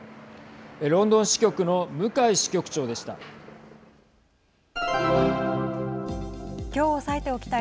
ロンドン支局の向井支局長でした。